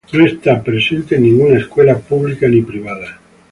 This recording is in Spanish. No esta presente en ninguna escuela pública ni privada.